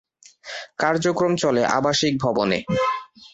কার্যক্রম চলে আবাসিক ভবনে।